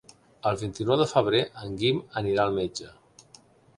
El vint-i-nou de febrer en Guim anirà al metge.